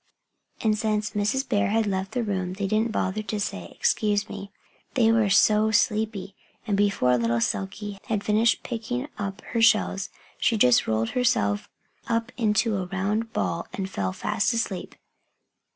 And since Mrs. Bear had left the room they didn't bother to say "Excuse me!" They were so sleepy! And before little Silkie had finished picking up her shells she just rolled herself up into a round ball and fell fast asleep.